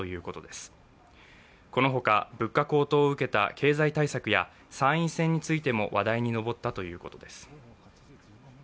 このほか、物価高騰を受けた経済対策や参院選についても話題に上ったということです。